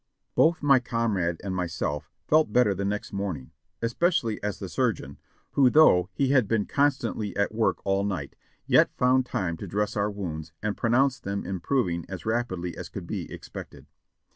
Both my comrade and myself felt better the next morning, especially as the surgeon, who though he had been constantly at work all night, yet found time to dress our wounds, and pro nounced them improving as rapidly as could be expected.